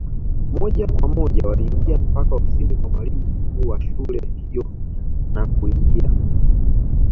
Moja kwa moja waliingia mpaka ofisini kwa mwalimu mkuu wa shule hiyo na kuingia